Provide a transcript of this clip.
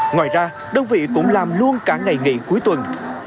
ngoài ra đơn vị cũng làm luôn cả ngày nghỉ cuối tuần